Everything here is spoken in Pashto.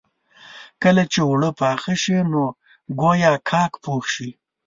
کله چې اوړه پاخه شي نو ګويا کاک پوخ شي.